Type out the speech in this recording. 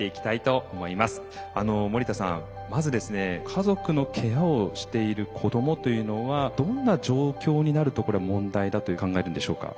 家族のケアをしている子どもというのはどんな状況になるとこれは問題だと考えるんでしょうか？